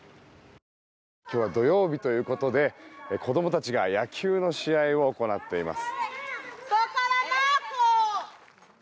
今日は土曜日ということで子どもたちが野球の試合を行っています。